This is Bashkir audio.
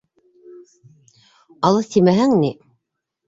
Алыҫ тимәһәң ни...